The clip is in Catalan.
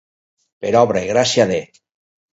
Per obra i gràcia de.